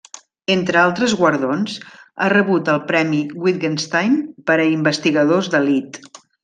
Entre altres guardons, ha rebut el Premi Wittgenstein per a investigadors d’elit.